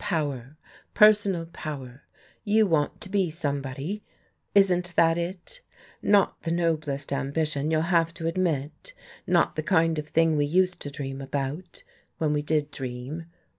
Power, personal power. You want to be somebody, isn't that it? Not the noblest ambition, you'll have to admit, not the kind of thing we used to dream about, when we did dream.